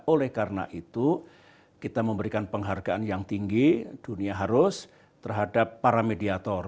oleh karena itu kita memberikan penghargaan yang tinggi dunia harus terhadap para mediator